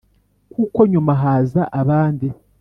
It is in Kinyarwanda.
kuko nyuma haza abandi